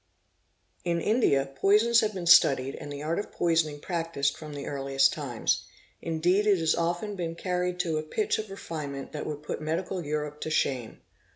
In India poisons have been studied and the art of poisoning practised from the earliest times; indeed it has often been carried to a pitch of refine ment that would put medical Hurope to shame.